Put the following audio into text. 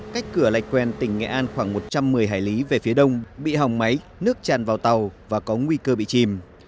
cách cửa lạch quen tỉnh nghệ an khoảng một trăm một mươi hải lý về phía đông bị hỏng máy nước tràn vào tàu và có nguy cơ bị chìm